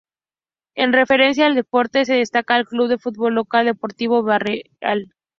En referencia al deporte, se destaca el club de fútbol local "Deportivo Barreal".